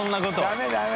ダメダメ。